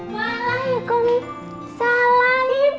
waalaikumsalam ibu mbak andrin masang